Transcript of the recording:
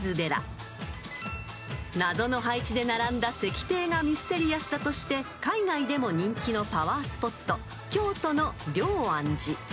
［謎の配置で並んだ石庭がミステリアスだとして海外でも人気のパワースポット］